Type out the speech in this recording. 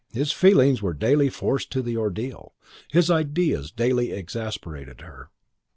His feelings were daily forced to the ordeal; his ideas daily exasperated her.